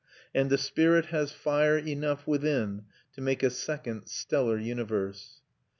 And the spirit has fire enough within to make a second stellar universe.